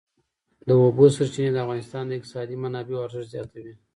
د اوبو سرچینې د افغانستان د اقتصادي منابعو ارزښت زیاتوي.